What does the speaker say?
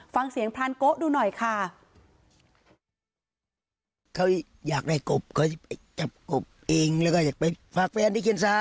ฟังเสียงพรานโกะดูหน่อยค่ะ